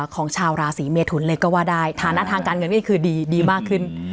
ของชาวราศีเมทุนเลยก็ว่าได้ฐานะทางการเงินก็คือดีมากขึ้น